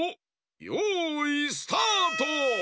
よいスタート！